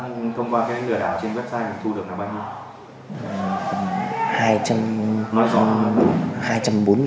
cái lừa đảo trên website mình thu được là bao nhiêu